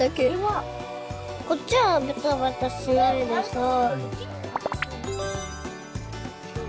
こっちはベタベタしないでさぁ。